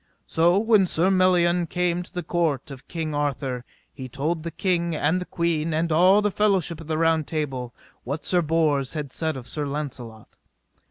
So when Sir Melion came to the court of King Arthur he told the king, and the queen, and all the fellowship of the Round Table, what Sir Bors had said of Sir Launcelot.